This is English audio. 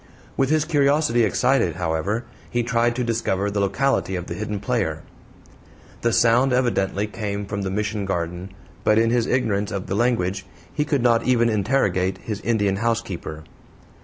With his curiosity excited, however, he tried to discover the locality of the hidden player. The sound evidently came from the Mission garden; but in his ignorance of the language he could not even interrogate his Indian housekeeper.